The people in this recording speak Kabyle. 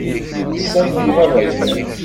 Yelsa-d Yuba aberkan.